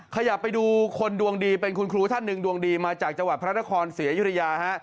ขยับไปดูคนดวงดีเป็นคุณครูท่านหนึ่งดวงดีมาจากจังหวัดพระนครศรีอยุธยาฮะ